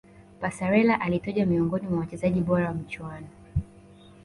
passarella alitajwa miongoni mwa wachezaji bora wa michuano